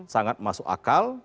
sangat masuk akal